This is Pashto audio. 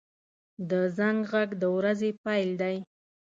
• د زنګ غږ د ورځې پیل دی.